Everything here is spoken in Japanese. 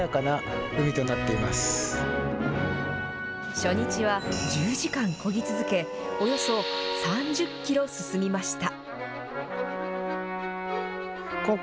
初日は１０時間こぎ続け、およそ３０キロ進みました。